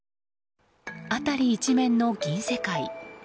辺り一面の銀世界。